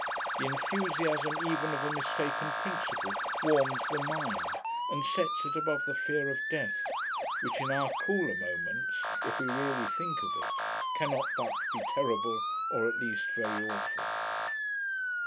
The enthusiasm even of a mistaken principle warms the mind, and sets it above the fear of death; which in our cooler moments, if we really think of it, cannot but be terrible, or at least very awful.